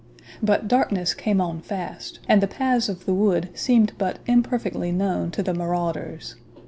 But darkness came on fast, and the paths of the wood seemed but imperfectly known to the marauders.